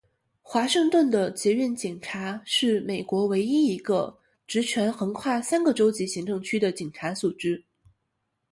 华盛顿的捷运警察是美国唯一一个职权横跨三个州级行政区的警察组织。